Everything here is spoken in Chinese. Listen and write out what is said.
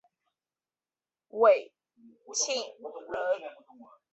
讳庆仁。